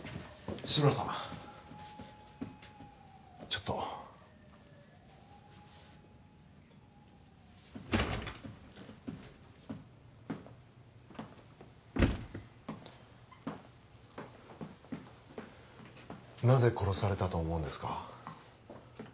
ちょっとなぜ殺されたと思うんですか？